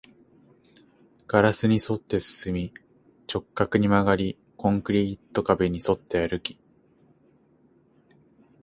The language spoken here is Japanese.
ガラスに沿って進み、直角に曲がり、コンクリート壁に沿って歩き